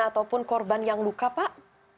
ataupun korban yang luka pak